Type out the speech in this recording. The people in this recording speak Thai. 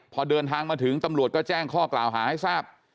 พอเดินทางมาถึงตำรวจก็แจ้งข้อกล่าวหาให้ทราบ